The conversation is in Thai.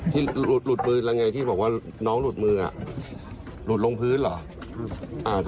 ที่หลุดหลุดมือล่ะไงที่บอกว่าน้องหลุดมืออ่ะหลุดลงพื้นเหรออ่า